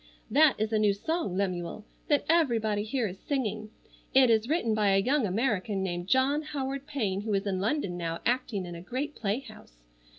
"That is a new song, Lemuel, that everybody here is singing. It is written by a young American named John Howard Payne who is in London now acting in a great playhouse.